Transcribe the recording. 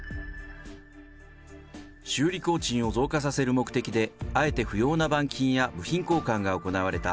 修理工賃を増加させる目的で、あえて不要な板金や部品交換が行われた。